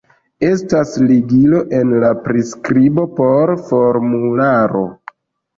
Estas ligilo en la priskribo por formularo